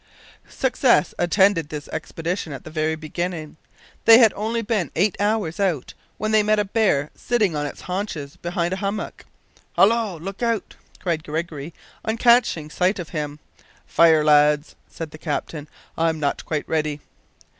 Success attended this expedition at the very beginning. They had only been eight hours out when they met a bear sitting on its haunches behind a hummock. "Hallo! look out!" cried Gregory, on catching sight of him. "Fire, lads," said the captain, "I'm not quite ready."